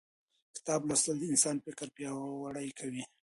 کتاب لوستل د انسان فکر پیاوړی کوي